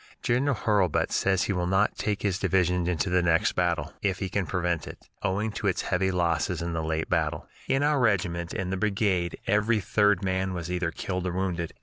General Hurlbut says he will not take his division into the next battle, if he can prevent it, owing to its heavy losses in the late battle. In our regiment and the brigade every third man was either killed or wounded.